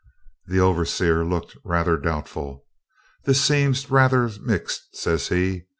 The overseer looked rather doubtful. 'This seems rather mixed,' says he.